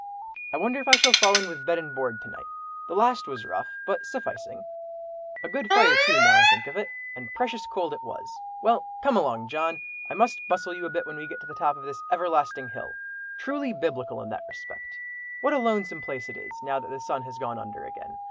I wonder if I shall fall in with bed and board to night. The last was rough, but sufficing—a good fire too, now I think of it, and precious cold it was. Well, come along, John! I must bustle you a bit when we get to the top of this everlasting hill—truly biblical in that respect. What a lonesome place it is, now that the sun has gone under again!